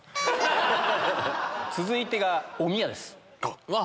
続いてがおみやです。